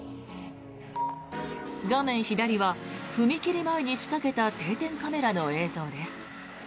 画面左は踏切前に仕掛けた定点カメラの映像です。